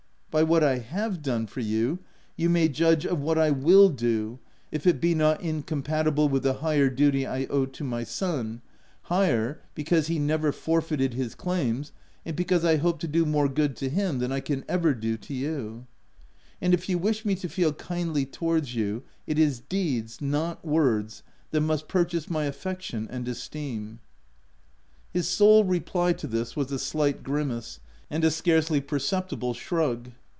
By what I have done for you, you may judge of what I will do L 2 220 THE TENANT — if it he not incompatible with the higher duty I owe to my son (higher, because he never forfeited his claims, and because I hope to do more good to him than I can ever do to you) ; and if you wish me to feel kindly towards you, it is deeds not words that must purchase my affection and esteem." His sole reply to this was a slight grimace, and a scarcely perceptible shrug.